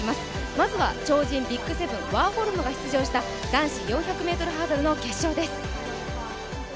まずは超人ＢＩＧ７ワーホルムが出場した男子４００ｍハードルの決勝です。